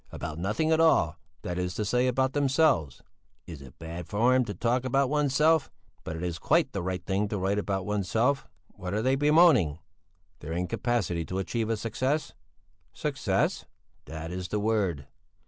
About nothing at all, that is to say about themselves. It is bad form to talk about oneself, but it is quite the right thing to write about oneself. What are they bemoaning? Their incapacity to achieve a success? Success? That is the word!